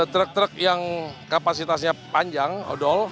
truk truk yang kapasitasnya panjang odol